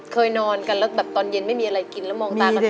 เคยนอนกันแล้วแบบตอนเย็นไม่มีอะไรกินแล้วมองตากัน